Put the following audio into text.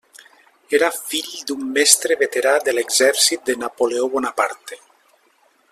Era fill d'un mestre veterà de l'exèrcit de Napoleó Bonaparte.